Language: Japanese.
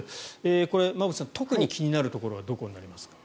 これ、馬渕さん特に気になるところはどこになりますか？